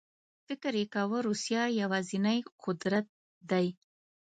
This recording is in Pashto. فکر یې کاوه روسیه یوازینی قدرت دی.